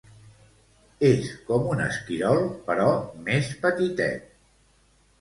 És com un esquirol però més petitet.